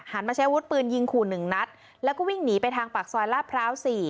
มาใช้อาวุธปืนยิงขู่หนึ่งนัดแล้วก็วิ่งหนีไปทางปากซอยลาดพร้าว๔